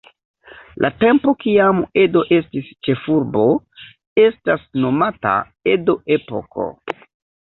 La tempo kiam Edo estis ĉefurbo, estas nomata Edo-epoko.